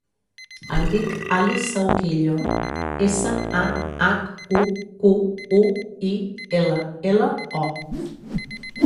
Em dic Alice Sahuquillo: essa, a, hac, u, cu, u, i, ela, ela, o.